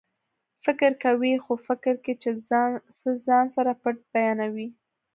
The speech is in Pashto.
فکر کوئ خو فکر کې چې څه ځان سره پټ بیانوي